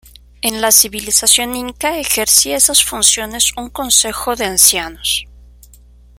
En la civilización inca ejercía esas funciones un consejo de ancianos.